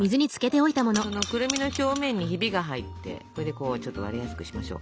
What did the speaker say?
そのくるみの表面にヒビが入ってそれでこうちょっと割れやすくしましょう。